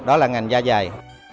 đó là ngành gia dày